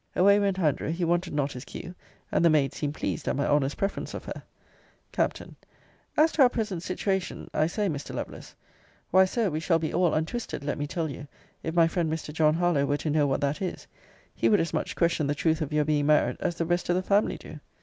Away went Andrew: he wanted not his cue; and the maid seemed pleased at my honour's preference of her. Capt. As to our present situation, I say, Mr. Lovelace why, Sir, we shall be all untwisted, let me tell you, if my friend Mr. John Harlowe were to know what that is. He would as much question the truth of your being married, as the rest of the family do.